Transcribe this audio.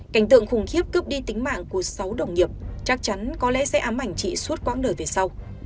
cảnh tượng khủng khiếp cướp đi tính mạng của sáu đồng nghiệp chắc chắn có lẽ sẽ ám ảnh chị suốt quãng đời về sau